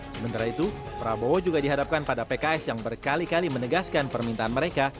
sementara itu prabowo juga dihadapkan pada pks yang berkali kali menegaskan permintaan mereka